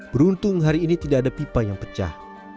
beruntung hari ini tidak ada pipa yang pecah